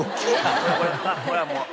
これはもう。